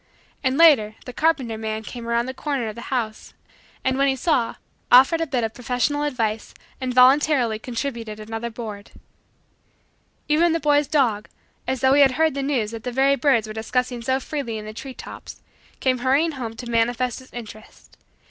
And, later, the carpenter man came around the corner of the house and, when he saw, offered a bit of professional advice and voluntarily contributed another board. Even the boy's dog, as though he had heard the news that the very birds were discussing so freely in the tree tops, came hurrying home to manifest his interest.